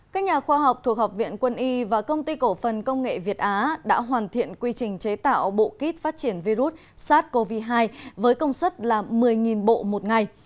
các nhà khoa học thuộc học viện quân y và công ty cổ phần công nghệ việt á đã hoàn thiện quy trình chế tạo bộ kit phát triển virus sars cov hai với công suất là một mươi bộ một ngày